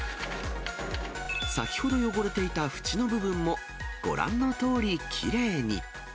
先ほど汚れていた縁の部分も、ご覧のとおりきれいに。